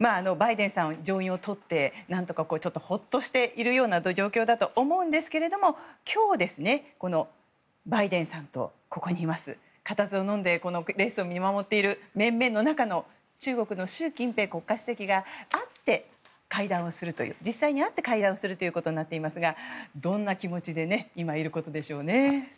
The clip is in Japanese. バイデンさんは上院をとってほっとしているような状況だと思うんですけれども今日、このバイデンさんとここにいます固唾をのんでこのレースを見守っている面々の中の中国の習近平国家主席が実際に会って会談をするということになっていますがどんな気持ちで今いることでしょうね。